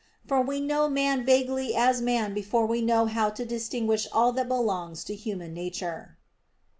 For we know man vaguely as man before we know how to distinguish all that belongs to human nature.